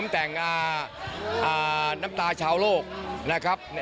ผมแต่งอ่าน้ำตาชาวโรคนะครับ